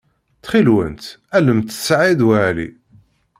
Ttxil-went, allemt Saɛid Waɛli.